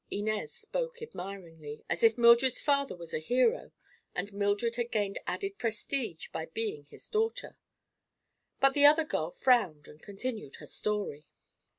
Inez spoke admiringly, as if Mildred's father was a hero and Mildred had gained added prestige by being his daughter. But the other girl frowned and continued her story.